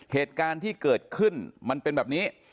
เหตุการณ์ที่เกิดขึ้นมันเป็นแบบนี้